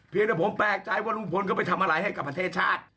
เพียงแต่ผมแปลกใจว่าลุงพลเขาไปทำอะไรให้กับประเทศชาติ